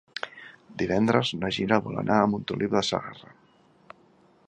Divendres na Gina vol anar a Montoliu de Segarra.